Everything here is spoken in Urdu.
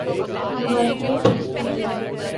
نمائش کے لیے پیش کی گئی۔